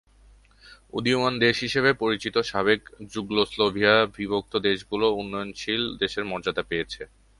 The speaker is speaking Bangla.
উদীয়মান দেশ হিসেবে পরিচিত সাবেক যুগোস্লাভিয়ার বিভক্ত দেশগুলো উন্নয়নশীল দেশের মর্যাদা পেয়েছে।